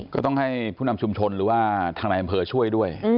ก็ต้องให้ผู้นำชุมชนหรือว่าทางนายอำเภอช่วยด้วย